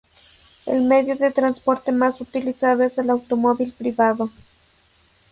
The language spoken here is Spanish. El medio de transporte más utilizado es el automóvil privado.